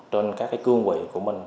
trên các cương vị của mình